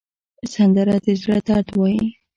سندره د زړه درد وایي